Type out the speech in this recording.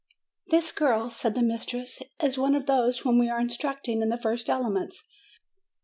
"This girl," said the mistress, "is one of those whom we are instructing in the first elements.